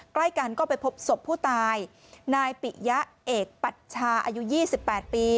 ใกล้กันก็ไปพบศพผู้ตายนายปิยะเอกปัชชาอายุ๒๘ปี